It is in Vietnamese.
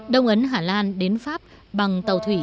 đông ấn hà lan đến pháp bằng tàu thuyền đá